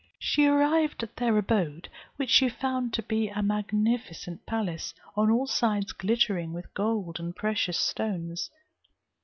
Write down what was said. She arrived at their abode which she found to be a magnificent palace, on all sides glittering with gold and precious stones.